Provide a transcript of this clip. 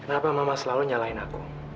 kenapa mama selalu nyalahin aku